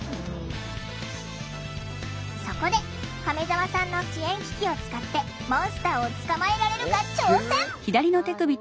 そこで亀澤さんの支援機器を使ってモンスターを捕まえられるか挑戦！